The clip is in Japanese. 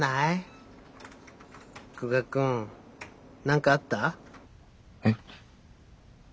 久我君何かあった？え？